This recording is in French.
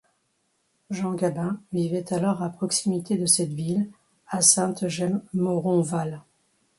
Jean Gabin vivait alors à proximité de cette ville, à Sainte-Gemme-Moronval.